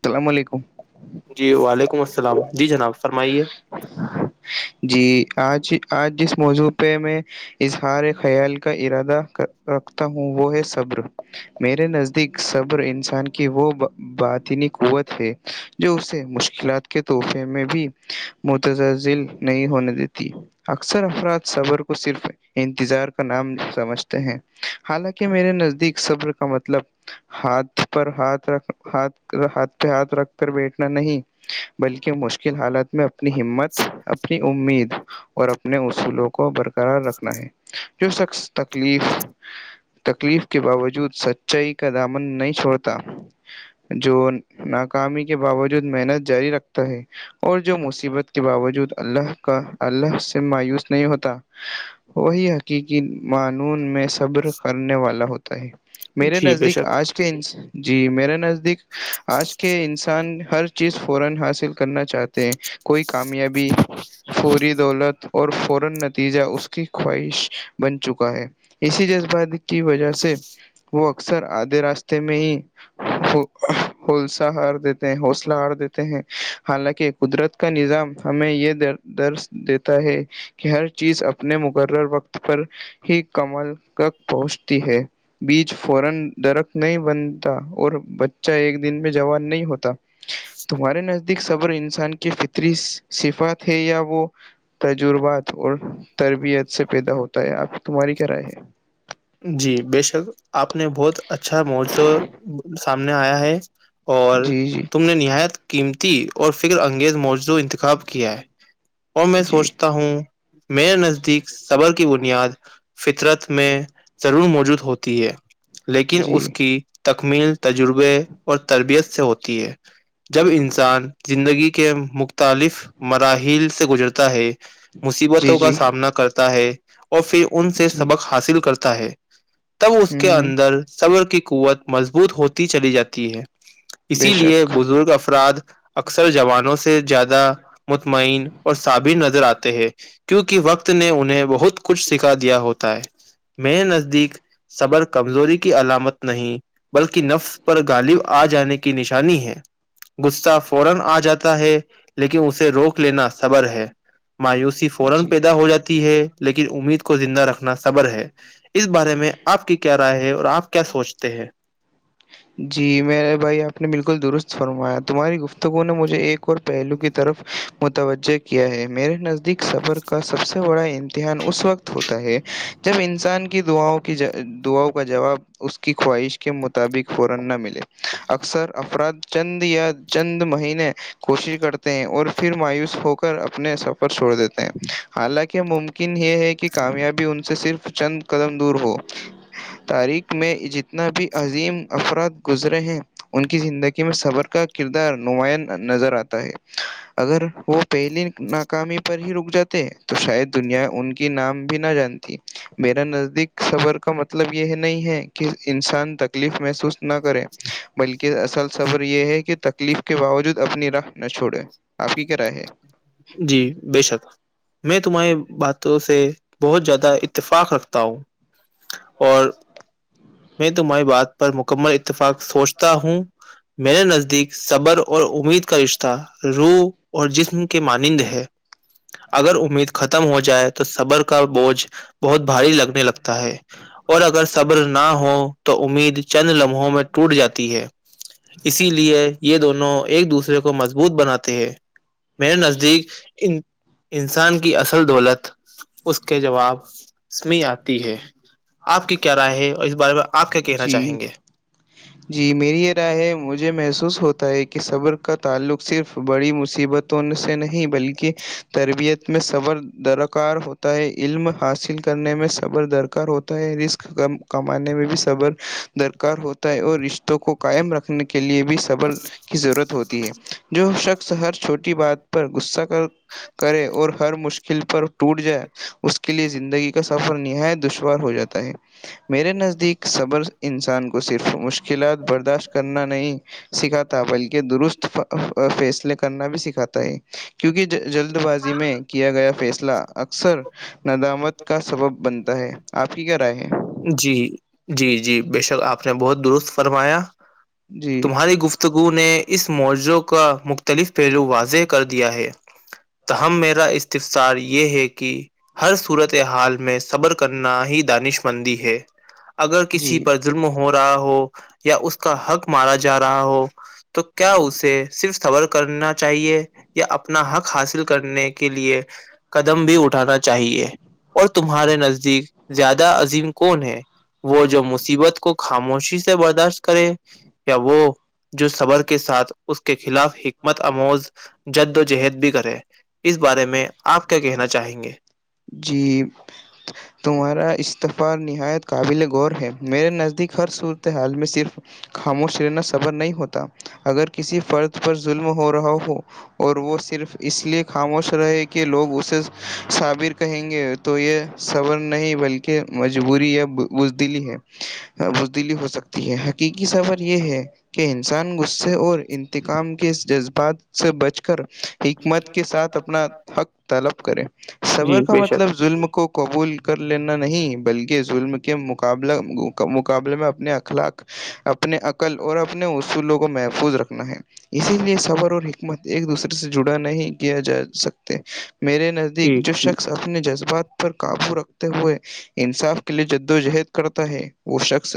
السلام علیکم جی وعلیکم السلام جی جناب فرمائیے جی آج آج جس موضوع پہ میں اظہار خیال کا ارادہ کر رکھتا ہوں وہ ہے صبر میرے نزدیک صبر انسان کی وہ باطنی قوت ہے جو اسے مشکلات کے تحفے میں بھی متجزل نہیں ہونے دیتی اکثر افراد صبر کو صرف انتظار کا نام سمجھ ہیں حالانکہ میرے نزدیک صبر کا مطلب ہاتھ پر ہاتھ رکھ ہاتھ ہاتھ پہ ہاتھ رکھ کر بیٹھنا نہیں بلکہ مشکل حالات میں اپ اپنی ہمت اپنی امید اور اپنے اصولوں کو برقرار رکھنا ہے جو شخص تکلیف تکلیف کے باوجود سچائی کا دامن نہیں چھوڑتا جو ناکامی کے باوجود محنت جاری رکھتا ہے اور جو مصیبت کے باوجود اللہ کا اللہ سے مایوس نہیں ہوتا وہی حقیقی معانون میں صبر کرنے والا ہوتا میرے جی بے نزدیک شک آجینس جی میرے نزدیک آج کے انسان ہر چیز فورا حاصل کرنا چاہتے ہیں کوئی کامیابی فوری دولت اور فورا نتیجہ اس کی خواہش بن چکا ہے اسی جذباتات کی وجہ سے وہ اکثر آدھے راستے میں ہی ہو حسہ ہار دیتے ہیں حوصلہ ہار دیتے ہیں حالانکہ قدرت کا نظام ہمیں یہ درج دیتا ہے کہ ہر چیز اپنے مقرر وقت پر ہی کمل تک پہنچتی ہے بیچ فورن درخت نہیں بنتا اور بچہ ایک دن میں جوان نہیں ہوتا تمہارے نزدیک صبر انسان کی فطری صفات ہے یا وہ تجربات اور تربیت سے پیدا ہوتا ہے آپ تمہاری کیا رائے ہے جی بےشک آپ نے بہت اچھا مورسو سامنے آیا ہے اور جی تم نے نہایت قیمتی اور فکر انگیز موجوں انتخاب کیا ہے اور میں جی سوچتا ہوں میرے نزدیک صبر کی بنیاد فطرت میں ضرور موجود ہوتی ہے لیکن جی اس جی کی تکمیل تجربے اور تربیت سے ہوتی ہے جب انسان زندگی کے مختلف مراحل سے گزرتا ہے جی مصیبتوں کا جی سامنا کرتا ہے اور پھر ان سے جی سبق حاصل کرتا ہے تب ہ اس کے ہ اندر صبر کی قوت مضبوط ہوتی چلی جاتی ہے بے اسی لیے شک بزرگ افراد اکثر جوانوں سے زیادہ مطمئن اور صثابر نظر آتے ہیں کیوںکہ وقت نے انہیں بہت کچھ سکھا دیا ہوتا ہے میرے نزدیک صبر کمزوری کی علامت نہیں بلکہ نفس پر غالب آ جانے کی نشانی ہے غصہ فورن آ جاتا ہے لیکن اسے روک لینا بر ہے مایوسی فورن جی پیدا ہو جاتی ہے لیکن امید کو زندہ رکھنا صبر ہے اس بارے میں آپ کی کیا رائے ہے اور آپ کیا سوچتے ہیں جی میں بھائی آپ نے بالکل درست فرمایا تمہاری گفتگو نے مجھے ایک اور پہلو کی طرف متوجہ کیا ہے میرے نزدیک سفر کا سب سے بڑا امتحان اس وقت ہوتا ہے جب انسان کی دعاؤں کی دعاؤں کا جواب اس کی خواہش کے مطابق فورن نہ ملے اکثر افراد چند یا چند مہینے کوشش کرتے ہیں اور پھر مایوس ہو کر اپنے سب چھوڑ دیتے ہیں حالانکہ ممکن یہ ہے کہ کامیابی ان سے صرف چند قدم دور ہو تاریخ میں جتنا بھی عظیم افراد گزرے ہیں ان کی زندگی میں صبر کا کردار نمایاں نظر آتا ہے اگر وہ پہلی ناکامی پر ہی رک جاتے تو شاید دنیا ان کی نام بھی نہ جانتی میرا نزدیک صبر کا مطلب یہ نہیں ہے کہ انسان تکلیف محسوس نہ کریں بلکہ اصل خبر یہ ہے کہ تکلیف کے باوجود اپنی راہ نہ چھوڑیں آپ کی کیا رائے ہے جی بے شک میں تمہاری باتوں سے بہت زیادہ اتفاق رکھتا ہوں اور میں تمہاری بات پر مکمل اتفاق سوچتا ہوں میرے نزدیک صبر اور امید کا رشتہ روح اور جسم مانند ہے اگر امید ختم ختم ہو جائے تو صبر کا بوجھ بہت بھاری لگنے لگتا ہے اور اگر صبر نہ ہو تو امید چند لمحوں میں ٹوٹ جاتی ہے اسی لیے یہ دونوں ایک دوسرے کو مضبوط بناتے ہیں میرے نزدیک انسان کی اصل دولت اس کے جواب اس میں آتی ہے آپ کی کیا رائے ہے اور اس بارے میں آپ کیا کہنا جی چاہیں گے [unintelligible] جی میری یہ رائے ہے مجھے محسوس ہوتا ہے کہ صبر کا تعلق صرف بڑی مصیبت ان سے نہیں بلکہ تربیت میں صبر درکار ہوتا ہے علم حاصل کے کرنے میں صبر درکار ہوتا رسک کمانے میں بھی صبر درکار ہوتا ہے اور رشتوں کو قائم رکھنے کے لئے بھی بل کی ضرورت ہوتی ہے جو شخص ہر چھوٹی بات پر غصہ کر کرے اور ہر مشکل پر ٹوٹ جائے اس کے لیے زندگی کا سفر نہایت دشوار ہو جاتا ہے میرے نزدیک صبر انسان کو صرف مشکلات برداشت کرنا نہیں سکھاتا بلکہ درست فیصلے کرنا بھی سکھاتا ہے کیونکہ جلد بازی میں کیا گیا فیصلہ اکثر ندامت کا سبب بنتا ہے آپ کی کیا رائے ہے جی جی جی بے شک آپ نے بہت درست فرمایا جی تمہاری گفت گفتگو نے اس موضع کا مختلف پہلو واضح کر دیا ہے ت ہمم میرا استفطار یہ ہے کہ ہر صورت حال میں صبر کرنا ہی دانش مندی ہے اگر کسی جی پر ظلم ہو رہا ہو یا اس کا حق مارا جا رہا ہو تو کیا اسے صرف خبر کرنا چاہیے یا اپنا حق حاصل کرنے کے لیے قدم بھی اٹھانا چاہیے اور تمہارے نزدیک زیادہ کون ہے وہ جو مصیبت کو خاموشی سے برداشت کرے یا وہ جو صبر کے ساتھ اس کے خلاف حکمت اموز جد و جہد بھی کرے اس بارے میں آپ کیا کہنا چاہیں گے جی تمہارا استفا نہایت قابل غور ہے میرے نزدیک ہر صورت حال میں صرف خاموش لینا صبر نہیں ہوتا اگر کسی فرد پر ظلم ہو رہا ہو اور وہ صرف اس لیے خاموش رہے کہ لوگ اسے سابر کر کہیں گے تو یہ صور نہیں بلکہ مجبوری یا بزدلی ہے ببدیلی ہو سکتی ہے حقیقی سفر یہ ہے کہ انسان غصے اور انتقام کے جذبات سے بچ کر حکمت کے ساتھ اپنا حق طلب کرے صبر جی کا بے شک مطلب ظلم کو قبول کر لینا نہیں بلکہ ظلم کے مقابلہ گ مقابلے میں اپنے اخلاق اپنے عقل اور اپنے اصولوں کو محفوظ رکھنا ہے اسی لیے صبر اور حکمت ایک دوسرے سے جڑا نہیں کیا جا سکتے میرے ن جی جو جی شخص اپنے جذبات پر قابو رکھتے ہوئے انصاف کے لیے جد وجہد کرتا ہے وہ شخص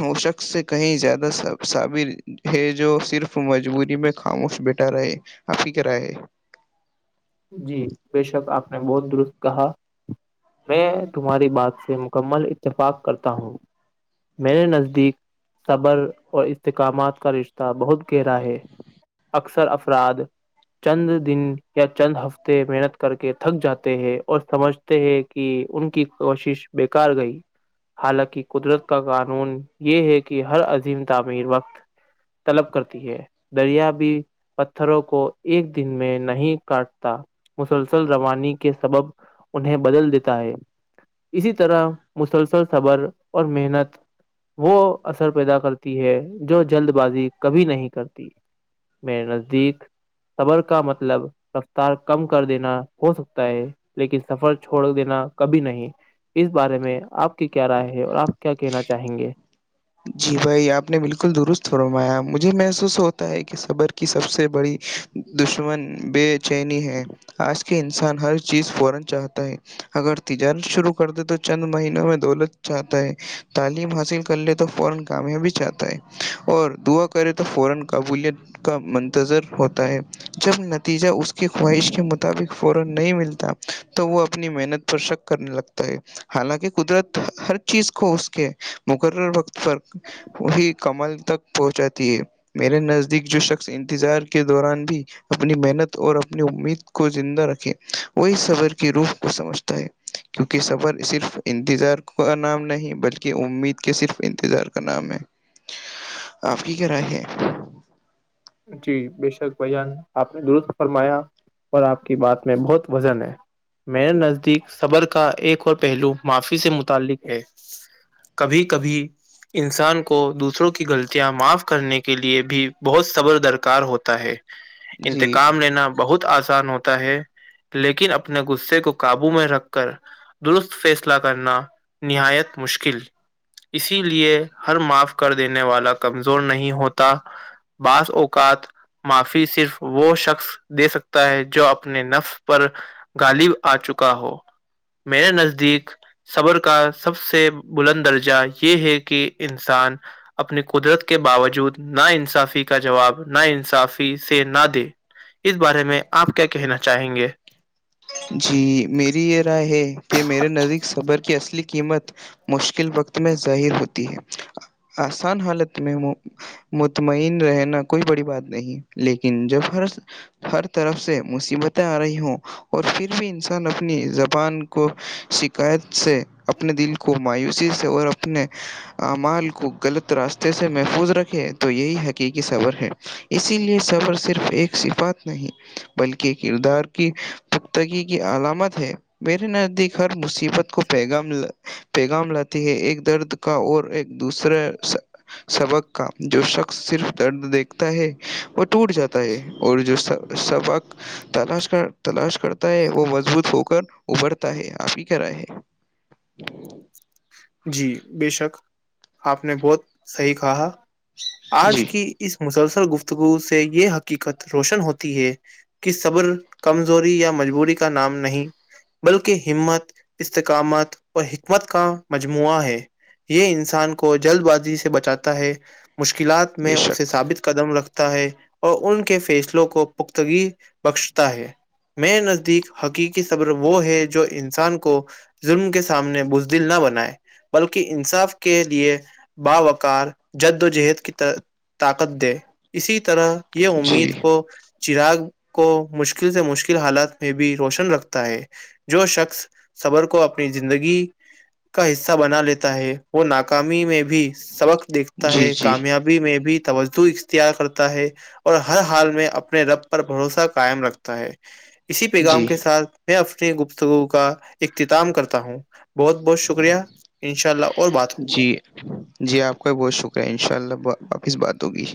وہ شخص سے کہیں زیادہ سثابر ہے جو صرف مجبوری میں خاموش بیٹا رہے اور فکرا ہے جی بےشک آپ نے بہت درست کہا میں تمہاری بات سے مکمل اتفاق کرتا ہوں میں نے نزدیک صبر اور استحکامات کا رشتہ بہت گہرا ہے اکثر افراد چند دن چند ہفتے محنت کر کے تھک جاتے ہیں اور سمجھتے ہیں کہ ان کی کوشش بیکار گئی حالانکہ قدرت کا قانون یہ ہے کہ ہر عظیم تعمیر وقت طلب کرتی ہے دریا بھی پتھروں کو ایک دن میں نہیں کاٹتا مسلسل روانی کے سبب انہیں بدل دیتا ہے اسی طرح مسلسل صبر اور محنت وہ اثر پیدا کرتی ہے جو جلد بازی کبھی نہیں کرتی میں نزدیک صبر کا مطلب رفتار کم کر دینا ہو سکتا ہے لیکن سفر چھوڑ دینا کبھی نہیں اس بارے میں آپ کی کیا رائے ہے اور آپ کیا کہنا چاہیں گے جی بھائی آپ نے بالکل درست رمایا مجھے محسوس ہوتا ہے کہ صبر کی سب سے بڑی دشمن بے چینی ہے آج کے انسان ہر چیز فورا چاہتا ہے اگر تجارت شروع کر دے تو چند مہینوں میں دولت چاہتا ہے تعلیم حاصل کر لیتے تو فورا کامیابی چاہتا ہے اور دعا کرے تو فورا قبولیت کا منتظر ہوتا ہے جب نتیجہ اس کی خواہش کے مطابق فورا نہیں ملتا تو وہ اپنی محنت پر شک کرنے لگتا ہے حالانکہ قدرت ہر چیز کو اس کے مقرر وقت پر وہی کمل تک پہنچاتی ہے میرے نزدیک جو شخص انتظار کے دوران بھی اپنی محنت اور اپنی امید کو زندہ رکھے وہ اس صبر کی روح کو سمجھتا ہے کیونکہ سفر صرف انتظار کا نام نہیں بلکہ امید کے صرف انتظار کا نام ہے آپ کی کیا رائے ہے جی بے شک بھ جان آپ نے درست فرمایا اور آپ کی بات میں بہت وزن ہے میرے نزدیک صبر کا ایک اور پہلو معافی سے متعلق ہے کبھی کبھی انسان کو دوسروں کی غلطیاں معاف کرنے کے لیے بھی بہت صبر درکار ہوتا ہے جی انتقام لینا بہت آسان ہوتا ہے لیکن اپنے غصے کو قابو میں رکھ کر درست فیصلہ کرنا نہایت مشکل اسی لیے ہر معاف کر دینے والا کمزور نہیں ہوتا بانس اوکات معافی صرف وہ شخص دے سکتا ہے جو اپنے نفس پر غالب آ چکا ہو میرے نزدیک صبر کا سب سے بلند درجہ یہ ہے کہ انسان اپنی قدرت کے باوجود ناانصافی کا جواب نہ انصافی سے نہ دے اس بارے میں آپ کیا کہنا چاہیں گے جی میری یہ رائے ہے کہ میرے نزیک صبر کی اصلی قیمت مشکل وقت میں ظاہر ہوتی ہے آسان حالت میں مطمئن رہنا کوئی بڑی بات نہیں لیکن جب ہر ہر طرف سے مصیبتیں آ رہی ہوں اور پھر بھی انسان اپنی زبان کو شکایت سے اپنے دل کو مایوسی سے اور اپنے اعمال کو غلط راستے سے محفوظ رکھے تو یہی حقیقی صبور ہے اسی لیے سفر صرف ایک صفات نہیں بلکہ کردار کی تختگی کی علامت ہے میرے نزدیک ہر مصیبت کو پیغام پیغام لاتی ہے ایک درد کا اور ایک دوسرا سبق کا جو شخص صرف درد دیکھتا ہے وہ ٹوٹ جاتا ہے اور جو سبق تلاش کر تلاش کرتا ہے وہ مضبوط ہو کر ابھرتا ہے آپ ہی کر رہا ہے جی بے شک آپ نے بہت صحیح کہا جی آج کی اس مسلسل گفتگو سے یہ حقیقت روشن ہوتی ہے کی صبر کمزوری یا مجبوری کا نام نہیں بلکہ ہمت استقامت اور حکمت کا مجموعہ ہے یہ انسان کو جلد بازی سے بچاتا ہے مشکلات بے میں اسے شک ثابت قدم رکھتا ہے اور ان کے فیصلوں کو پختگی بخشتا ہے میں نزدیک حقیقی صبر وہ ہے جو انسان کو ظلم کے سامنے بزدل نہ بنائے بلکہ انصاف کے لیے باوقار جد و جہد کی طر طاقت دے اسی طرح یہ جی امید کو چراغ کو مشکل سے مشکل حالات میں بھی روشن رکھتا ہے جو شخص صبر کو اپنی زندگی کا حصہ بنا لیتا ہے وہ ناکامی میں بھی سبق دیکھتا جی ہے جی کامیاب میں بھی توجہ اختیار کرتا ہے اور ہر حال میں اپنے رب پر بھروسہ قائم رکھتا ہے اسی پیغام جی کے ساتھ اپنی گپتگو کا اختتام کرتا ہوں بہت بہت شکریہ انشاء اللہ اور بات ہوگی جی جی آپ کا بھی بہت شکریہ انشاء اللہ واپس بات ہوگی